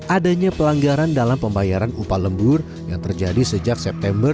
adanya pelanggaran dalam pembayaran upah lembur yang terjadi sejak september dua ribu dua puluh dua